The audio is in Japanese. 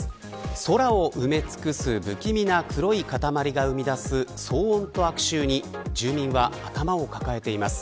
空を埋め尽くす不気味な黒い塊が生み出す騒音と悪臭に住民は頭を抱えています。